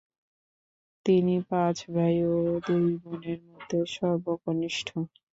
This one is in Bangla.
তিনি পাঁচ ভাই ও দুই বোনের মধ্যে সর্বকনিষ্ঠ।